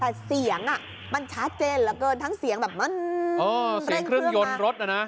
แต่เสียงมันชัดเจนเหลือเกินทั้งเสียงแบบมันเสียงเครื่องยนต์รถน่ะนะ